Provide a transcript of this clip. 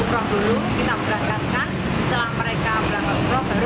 umroh dulu kita berangkatkan setelah mereka berangkat dulu baru mereka bayar